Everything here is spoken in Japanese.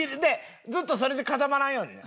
ずっとそれで固まらんようにね。